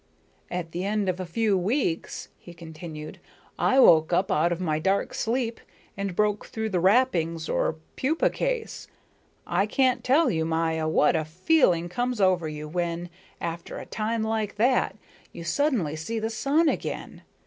"At the end of a few weeks," he continued, "I woke up out of my dark sleep and broke through the wrappings or pupa case. I can't tell you, Maya, what a feeling comes over you when, after a time like that, you suddenly see the sun again.